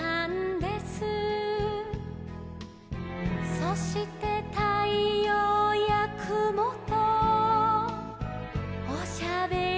「そしてたいようやくもとおしゃべりしてたんです」